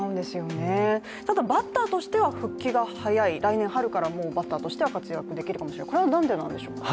ただバッターとしては復帰が早い来年春からもうバッターとしては活躍できるかもしれない、これはなんでなんでしょう。